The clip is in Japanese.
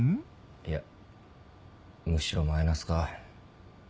いやむしろマイナスか。